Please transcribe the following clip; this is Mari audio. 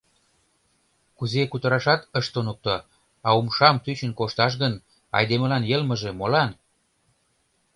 Кузе кутырашат ыш туныкто, а умшам тӱчын кошташ гын, айдемылан йылмыже молан?